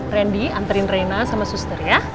ren di anterin rena sama suster ya